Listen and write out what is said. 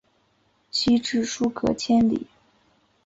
西至疏勒千里。